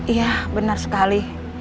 iya benar sekali